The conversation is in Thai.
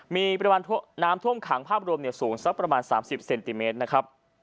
มีปริมาณน้ำท่วมขังภาพรวมสูงสักประมาณ๓๐เซนติเมตรนะครับ